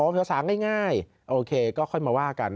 ภาษาง่ายโอเคก็ค่อยมาว่ากัน